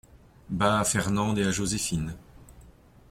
Bas à Fernande et à Joséphine.